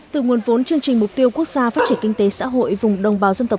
từ nguồn vốn chương trình mục tiêu quốc gia phát triển kinh tế xã hội vùng đồng bào dân tộc